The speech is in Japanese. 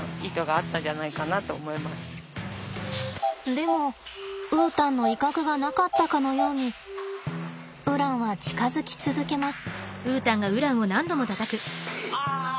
でもウータンの威嚇がなかったかのようにウランは近づき続けます。